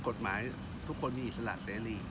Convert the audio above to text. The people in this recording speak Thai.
กฎหมายทุกคนมีอิสระเสรี